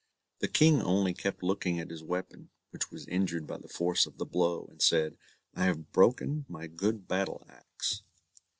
The King only kept looking at his weapon, which was injured by the force of the blow, and said, "I have broken my good battle axe."